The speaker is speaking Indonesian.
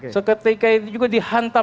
seketika itu juga dihantam